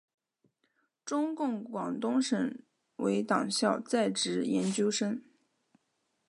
中共广东省委党校在职研究生。